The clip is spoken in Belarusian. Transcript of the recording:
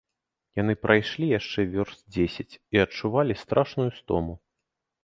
Яны прайшлі яшчэ вёрст дзесяць і адчувалі страшную стому.